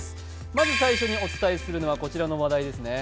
まず最初にお伝えするのはこちらの話題ですね。